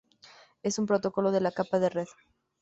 Es un protocolo de la capa de red.